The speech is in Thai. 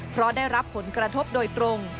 เพราะได้รับผลกระทบโดยตรง